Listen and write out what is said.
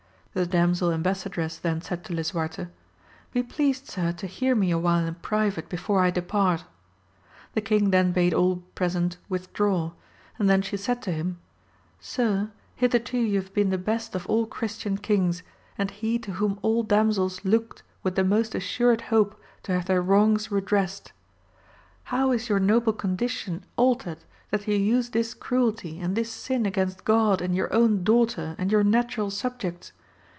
The damsel em bassadress then said to Lisuarte, Be pleased sir to hear me a while in private, before I depart : the king then bade all present withdraw, and then she said to him, Sir, hitherto you have been the best of all Christian kings, and he to whom all damsels looked with the most assured hope, to have their wrongs redressed. How is your noble condition altered, that you use this cruelty and this sin against God and your own daugh ter and your natural subjects